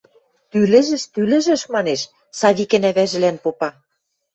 – Тӱлӹжӹш, тӱлӹжӹш, – манеш, Савикӹн ӓвӓжӹлӓн попа.